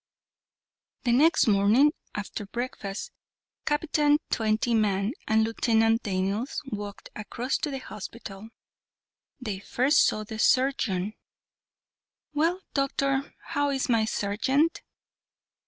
The next morning, after breakfast, Captain Twentyman and Lieutenant Daniels walked across to the hospital. They first saw the surgeon. "Well, doctor, how is my sergeant?"